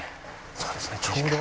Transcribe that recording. そうですね。